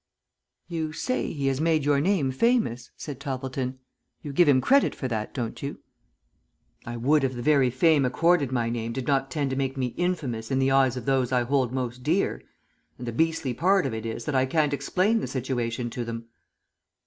"You say he has made your name famous," said Toppleton. "You give him credit for that, don't you?" "I would if the very fame accorded my name did not tend to make me infamous in the eyes of those I hold most dear; and the beastly part of it is that I can't explain the situation to them."